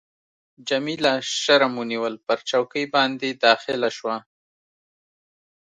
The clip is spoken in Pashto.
جميله شرم ونیول، پر چوکۍ باندي داخله شوه.